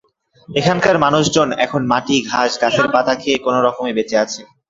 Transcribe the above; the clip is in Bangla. এখানকার মানুষজন এখন মাটি, ঘাস, গাছের পাতা খেয়ে কোনো রকমে বেঁচে আছে।